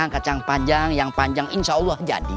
kacang panjang yang panjang insya allah jadi